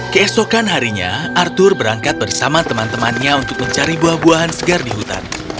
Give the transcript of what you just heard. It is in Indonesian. keesokan harinya arthur berangkat bersama teman temannya untuk mencari buah buahan segar di hutan